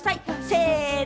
せの！